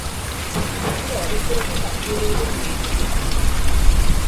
' বাকিটা অব্যক্ত রেখেই তাকিয়ে রইলেন মেয়ের দিকে।